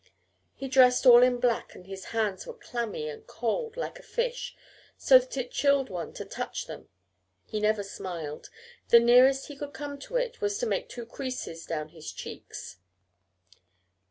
He dressed all in black, and his hands were clammy and cold, like a fish, so that it chilled one to touch them. He never smiled the nearest he could come to it was to make two creases down his cheeks.